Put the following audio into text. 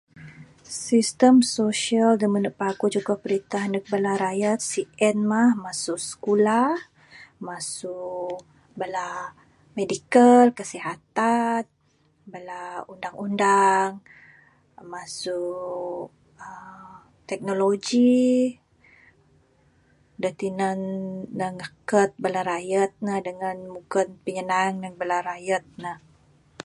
Sistem social dak mene paguh dak jugon perintah ndek bala rakyat sien mah mesu sekulah, mesu bala medical kesihatan, bala undang-undang, mesu uhh teknologi dak tinan ne nekat bala rakyat ne dengan nyugan bala pinyenang ndek bala rakyat ne